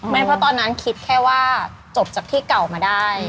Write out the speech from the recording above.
เพราะตอนนั้นคิดแค่ว่าจบจากที่เก่ามาได้